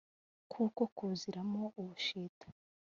kukokuziramo ubushita